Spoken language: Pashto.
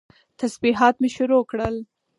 تسبيحات مې شروع کړل.